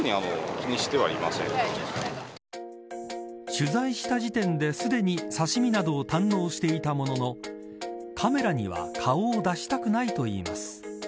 取材した時点ですでに刺し身などを堪能していたもののカメラには顔を出したくないと言います。